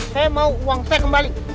saya mau uang saya kembali